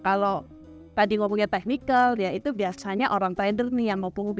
kalau tadi ngomongnya technical ya itu biasanya orang trader nih yang ngomong